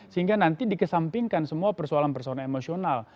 sehingga nanti dikesampingkan semua persoalan persoalan emosional